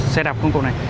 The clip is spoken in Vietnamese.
xe đạp công cụ này